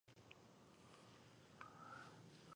د غوا شیدې د ماشومانو لپاره اړینې دي.